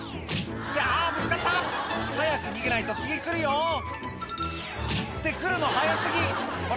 あぶつかった！早く逃げないと次来るよって来るの早過ぎほら